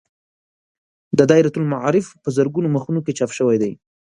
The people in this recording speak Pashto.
دا دایرة المعارف په زرګونو مخونو کې چاپ شوی دی.